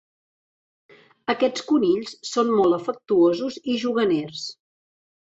Aquests conills són molt afectuosos i juganers.